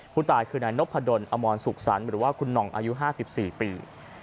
ผู้ตายคือนายนพดลอมรสุขสรรค์หรือว่าคุณหน่องอายุ๕๔ปี